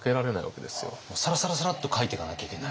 サラサラサラッと描いてかなきゃいけない。